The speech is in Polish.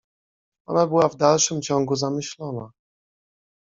Ona była w dalszym ciągu zamyślona.